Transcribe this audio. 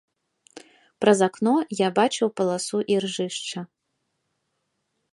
Праз акно я бачыў паласу іржышча.